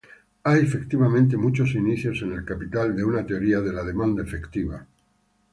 Hay efectivamente muchos indicios en "El Capital" de una teoría de la demanda efectiva.